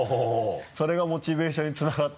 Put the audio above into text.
それがモチベーションにつながる。